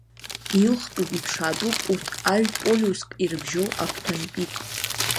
Илхтәуп, иԥшаатәуп урҭ аҩ-полиуск ирыбжьоу агәҭантәик.